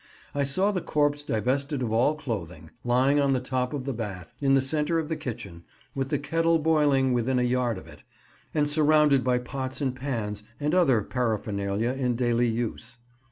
I saw the corpse divested of all clothing, lying on the top of the bath, in the centre of the kitchen, with the kettle boiling within a yard of it, and surrounded by pots and pans and other paraphernalia in daily use.